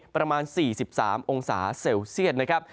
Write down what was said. ประมาณ๔๓องศาเซลเซียตนะครับ